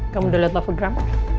kamu udah liat lovegram